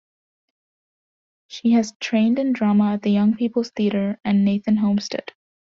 She has trained in drama at the Young People's Theatre and Nathan Homestead.